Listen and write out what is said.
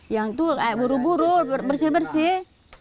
yang itu kayak buru buru bersih bersih